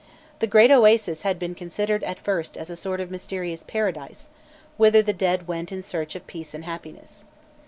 The Great Oasis had been considered at first as a sort of mysterious paradise, whither the dead went in search of peace and happiness.